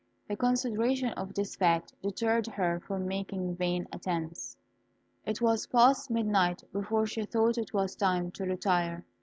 The consideration of this fact deterred her from making vain attempts. It was past midnight before she thought it was time to retire.